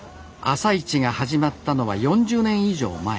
朝市が始まったのは４０年以上前。